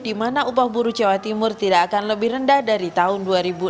di mana upah buruh jawa timur tidak akan lebih rendah dari tahun dua ribu enam belas